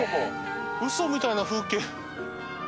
うそみたいな風景。